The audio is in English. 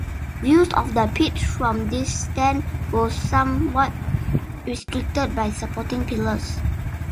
Views of the pitch from this stand were somewhat restricted by supporting pillars.